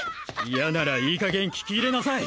嫌ならいい加減聞き入れなさい！